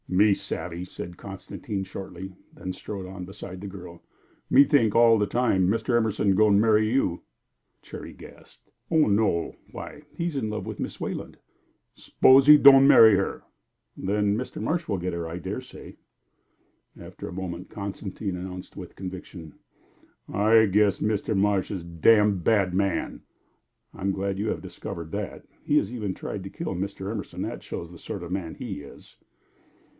"Me savvy!" said Constantine shortly, then strode on beside the girl. "Me think all the time Mr. Emerson goin' marry you." Cherry gasped. "No, no! Why, he is in love with Miss Wayland." "S'pose he don' marry her?" "Than Mr. Marsh will get her, I dare say." After a moment Constantine announced, with conviction: "I guess Mr. Marsh is damn bad man." "I'm glad you have discovered that. He has even tried to kill Mr. Emerson; that shows the sort of man he is."